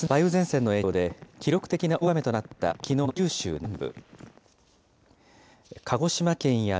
活発な梅雨前線の影響で、記録的な大雨となった、きのうの九州南部。